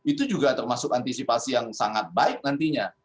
itu juga termasuk antisipasi yang sangat baik nantinya